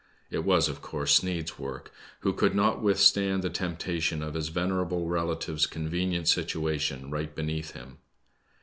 It was of course Sneid's work, who could not withstand the temptation of his venerable relative's convenient situation, right beneath him.